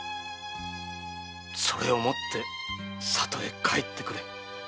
それを持って里へ帰ってくれ！